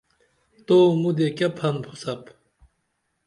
تو مودے کیہ پھن پھوسپ؟